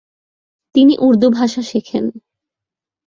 তিনি উর্দু ভাষা শেখেন।